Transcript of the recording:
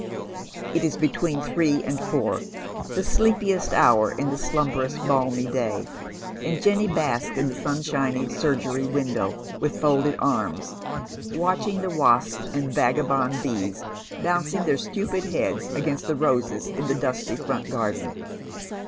It is between three and four — the sleepiest hour in the slumber ous balmy day, and Jenny basks in the sunshiny surgery window, wth folded arms, watching the wasps and vagabond bees bounc ing their stupid heads against the roses in the dusty front garden.